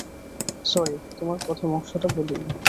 Sorry, তোমায় প্রথম অংশটা বলিনি।